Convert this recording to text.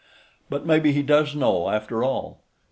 But maybe he does know, after all.